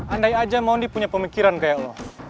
andai aja mondi punya pemikiran kayak allah